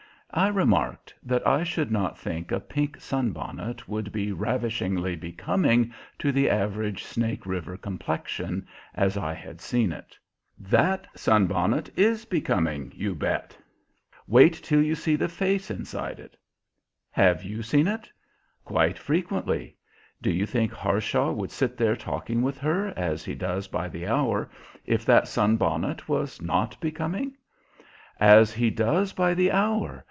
I remarked that I should not think a pink sunbonnet would be ravishingly becoming to the average Snake River complexion, as I had seen it. "That sunbonnet is becoming, you bet!" Tom remarked. "Wait till you see the face inside it." "Have you seen it?" "Quite frequently. Do you think Harshaw would sit there talking with her, as he does by the hour, if that sunbonnet was not becoming?" "As he does by the hour!